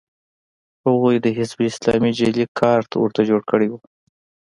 هغوی د حزب اسلامي جعلي کارت ورته جوړ کړی و